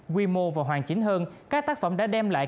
quy mô và hoàn chính hơn các tác phẩm đã đem lại